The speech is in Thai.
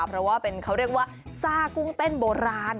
เพราะว่าเป็นเขาเรียกว่าซ่ากุ้งเต้นโบราณ